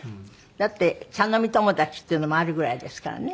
だって茶飲み友達っていうのもあるぐらいですからね。